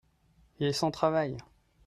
il est sans travail.